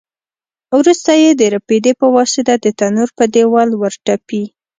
وروسته یې د رپېدې په واسطه د تنور په دېوال ورتپي.